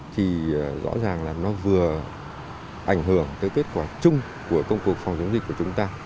thì rõ ràng là nó vừa ảnh hưởng tới kết quả chung của công cuộc phòng chống dịch của chúng ta